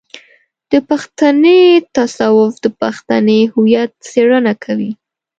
د پښتني تصوف د پښتني هويت څېړنه کوي.